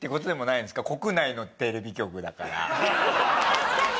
確かに！